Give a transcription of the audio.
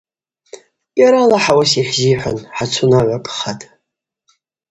Йара Алахӏ ауаса йхӏзихӏван хӏацунагӏвакӏхатӏ.